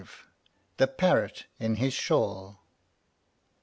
THE PARROT IN HIS SHAWL.